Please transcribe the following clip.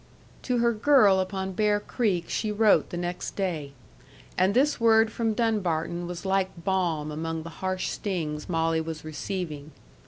To her girl upon Bear Creek she wrote the next day. And this word from Dunbarton was like balm among the harsh stings Molly was receiving.